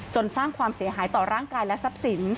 สร้างความเสียหายต่อร่างกายและทรัพย์สิน